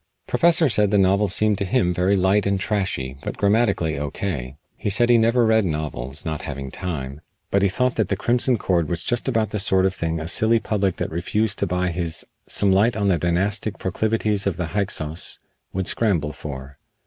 Professor said the novel seemed to him very light and trashy, but grammatically O.K. He said he never read novels, not having time, but he thought that "The Crimson Cord" was just about the sort of thing a silly public that refused to buy his "Some Light on the Dynastic Proclivities of the Hyksos" would scramble for.